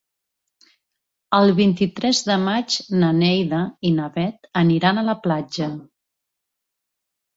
El vint-i-tres de maig na Neida i na Bet aniran a la platja.